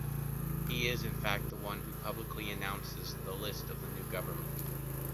He is in fact the one who publicly announces the list of the new government.